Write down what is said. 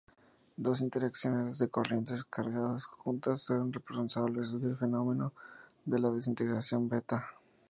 Dos interacciones de corrientes cargadas juntas son responsables del fenómeno de la desintegración beta.